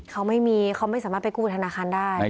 เขาไม่มีเขาไม่สามารถไปกู้กับธนาคารได้